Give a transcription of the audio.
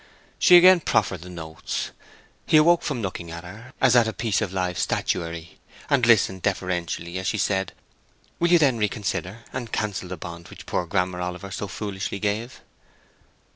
She again proffered the notes; he awoke from looking at her as at a piece of live statuary, and listened deferentially as she said, "Will you then reconsider, and cancel the bond which poor Grammer Oliver so foolishly gave?"